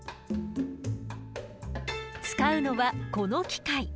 使うのはこの機械。